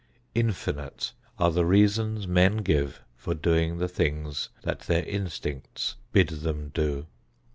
Infinite are the reasons men give for doing the things that their instincts bid them do.